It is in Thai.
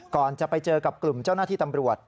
ก่อนจะไปเจอกับกลุ่มเจ้าหน้าที่ตำรวจ